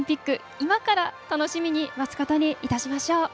今から楽しみに待つことにいたしましょう。